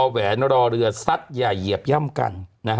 อหหวรรสัตยาเหยียบย่ำกัน